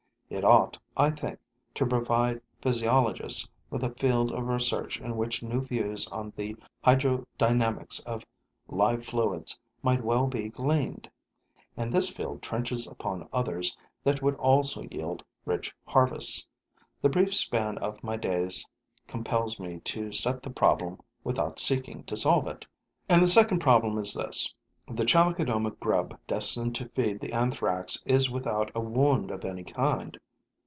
It ought, I think, to provide physiologists with a field of research in which new views on the hydrodynamics of live fluids might well be gleaned; and this field trenches upon others that would also yield rich harvests. The brief span of my days compels me to set the problem without seeking to solve it. And the second problem is this: the Chalicodoma grub destined to feed the Anthrax is without a wound of any kind.